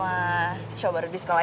eh gak boleh